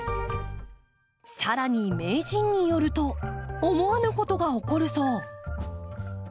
さらに名人によると思わぬことが起こるそう。